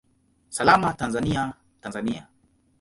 Salama Tanzania, Tanzania!